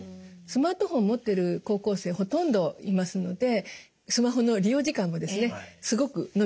スマートフォンを持ってる高校生ほとんどいますのでスマホの利用時間もですねすごく延びています。